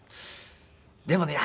でもね